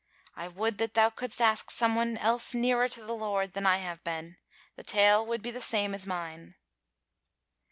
I would that thou couldst ask someone else nearer to the Lord than I have been. The tale would be the same as mine."